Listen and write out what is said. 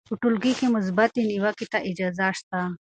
په ټولګي کې مثبتې نیوکې ته اجازه سته.